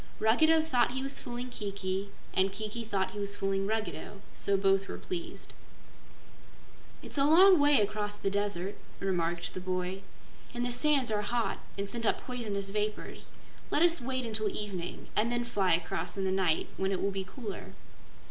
Ruggedo thought he was fooling Kiki, and Kiki thought he was fooling Ruggedo; so both were pleased. "It's a long way across the Desert," remarked the boy, "and the sands are hot and send up poisonous vapors. Let us wait until evening and then fly across in the night when it will be cooler."